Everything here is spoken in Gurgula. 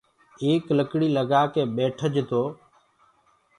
ايڪ لڪڙيٚ لگآ ڪي ٻيٺج تو